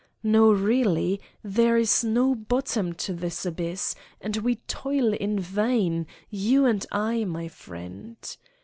No, really, there is no bottom to this abyss and we toil in vain, you and I, my friend